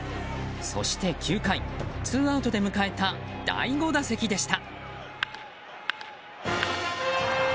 そして９回、ツーアウトで迎えた第５打席でした。